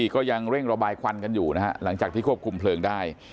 ก็ยังเร่งระบายควันกันอยู่นะฮะหลังจากที่ควบคุมเพลิงได้